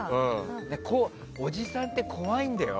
おじさんって怖いんだよ。